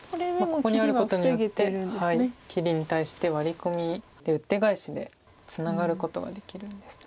ここにあることによって切りに対してワリコミウッテガエシでツナがることができるんです。